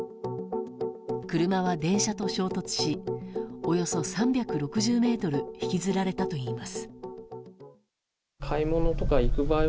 車は電車と衝突しおよそ３６０ｍ引きずられたといいます。